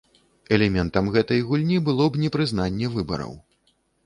Элементам гэтай гульні было б непрызнанне выбараў.